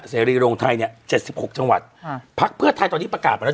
เสรีโรงไทยเนี่ยเจ็ดสิบหกจังหวัดค่ะพักเพื่อไทยตอนนี้ประกาศมาแล้ว